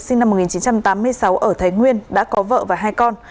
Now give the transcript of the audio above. sinh năm một nghìn chín trăm tám mươi sáu ở thái nguyên đã có vợ và hai con